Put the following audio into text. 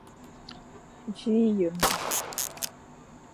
Dji ye ma.